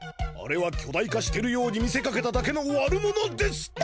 あれはきょ大化してるように見せかけただけの悪者です！